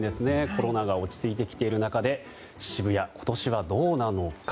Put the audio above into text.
コロナが落ち着いてきている中で渋谷、今年はどうなのか。